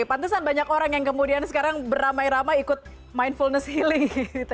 pantesan banyak orang yang kemudian sekarang beramai ramai ikut mindfulness healing